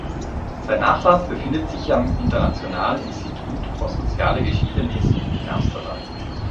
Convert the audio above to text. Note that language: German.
Sein Nachlass befindet sich am Internationaal Instituut voor Sociale Geschiedenis in Amsterdam.